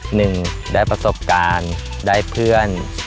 หนึ่งได้ประสบการณ์ได้เพื่อน